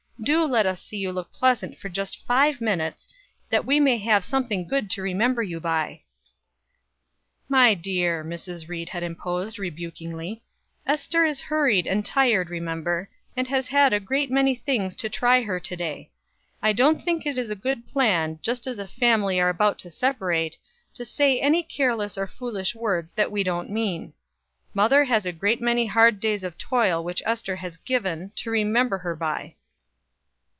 Do let us see you look pleasant for just five minutes, that we may have something good to remember you by." "My dear," Mrs. Ried had interposed, rebukingly, "Ester is hurried and tired, remember, and has had a great many things to try her to day. I don't think it is a good plan, just as a family are about to separate, to say any careless or foolish words that we don't mean. Mother has a great many hard days of toil, which Ester has given, to remember her by."